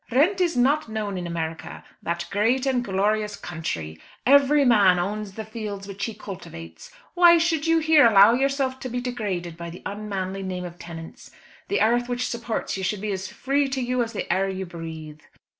"Rent is not known in America, that great and glorious country. Every man owns the fields which he cultivates. Why should you here allow yourself to be degraded by the unmanly name of tenants? The earth which supports you should be as free to you as the air you breathe."